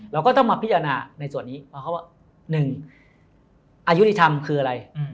เราก็ต้องมาพิจารณาในส่วนนี้เพราะเขาว่า๑อายุติธรรมคืออะไร